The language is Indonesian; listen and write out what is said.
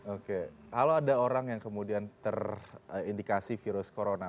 oke kalau ada orang yang kemudian terindikasi virus corona